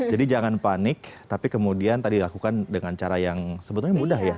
jadi jangan panik tapi kemudian tadi dilakukan dengan cara yang sebetulnya mudah ya